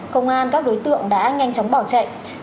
công an các đối tượng đã nhanh chóng bỏ chạy